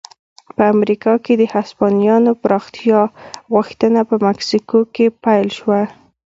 په امریکا کې د هسپانویانو پراختیا غوښتنه په مکسیکو پیل شوه.